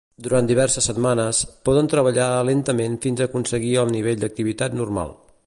Durant diverses setmanes, poden treballar lentament fins a aconseguir el nivell d'activitat normal.